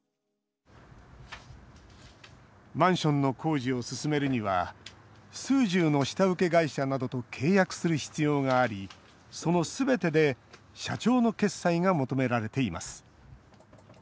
マンションの工事を進めるには数十の下請け会社などと契約する必要がありそのすべてで社長の決裁が求められています。